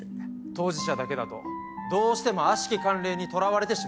当事者だけだとどうしても悪しき慣例にとらわれてしまいます。